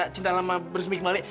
cinta lama bersemih kembali